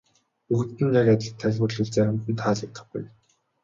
Бүгдэд нь яг адил тайлбарлавал заримд нь таалагдахгүй.